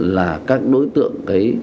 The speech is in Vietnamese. là các đối tượng